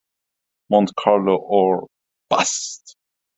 Monte Carlo or Bust!